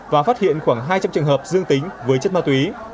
và phát hiện khoảng hai trăm linh trường hợp dương tính với chất ma túy